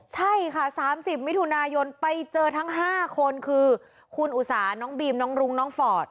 ใช่ค่ะ๓๐มิถุนายนไปเจอทั้ง๕คนคือคุณอุตสาน้องบีมน้องรุ้งน้องฟอร์ด